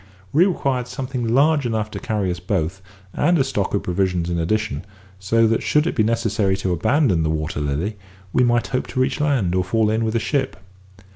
We required something large enough to carry us both, and a stock of provisions in addition, so that should it be necessary to abandon the Water Lily, we might hope to reach land, or fall in with a ship.